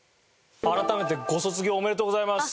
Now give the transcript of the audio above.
改めてご卒業おめでとうございます。